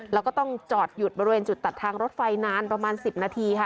แล้วก็ต้องจอดหยุดบริเวณจุดตัดทางรถไฟนานประมาณ๑๐นาทีค่ะ